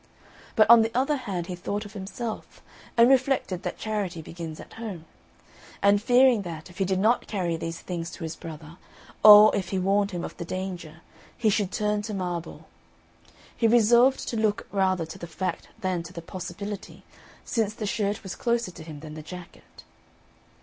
But on the other hand he thought of himself, and reflected that charity begins at home; and fearing that, if he did not carry these things to his brother, or if he warned him of the danger, he should turn to marble, he resolved to look rather to the fact than to the possibility, since the shirt was closer to him than the jacket.